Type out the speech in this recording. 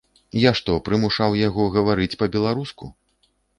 Я што, прымушаў яго гаварыць па-беларуску?